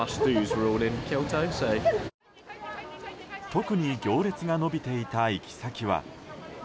特に行列が延びていた行き先は。